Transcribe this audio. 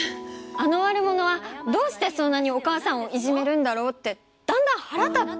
あの悪者はどうしてそんなにお母さんをいじめるんだろうってだんだん腹立って。